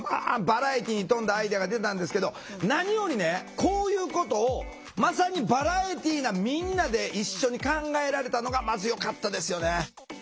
バラエティーに富んだアイデアが出たんですけど何よりねこういうことをまさにバラエティーなみんなで一緒に考えられたのがまずよかったですよね。